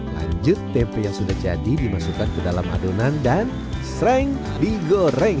lanjut tempe yang sudah jadi dimasukkan ke dalam adonan dan streng digoreng